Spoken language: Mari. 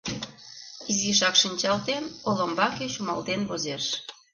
Изишак шинчалтен, олымбаке чумалтен возеш.